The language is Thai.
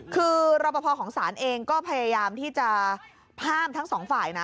คือรอปภของศาลเองก็พยายามที่จะห้ามทั้งสองฝ่ายนะ